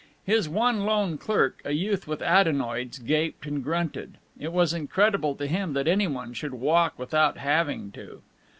His one lone clerk, a youth with adenoids, gaped and grunted. It was incredible to him that any one should walk without having to.